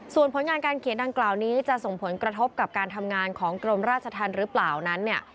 ส่วนผลงานการเขียนดังกล่าวนี้จะส่งผลกระทบกับการทำงานของกรมราชธรรมหรือเปล่านั้นเนี่ย